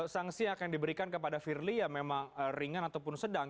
sanksi yang akan diberikan kepada firly ya memang ringan ataupun sedang